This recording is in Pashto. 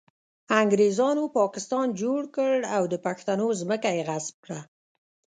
انګریزانو پاکستان جوړ کړ او د پښتنو ځمکه یې غصب کړه